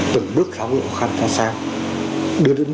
từng bước khá là khó khăn thay sang